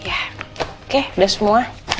oke udah semua